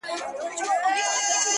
غرڅه ولاړی د ځنګله پر خوا روان سو -